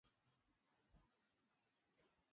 Watenganishe wanyama wagonjwa na wasiokuwa wagonjwa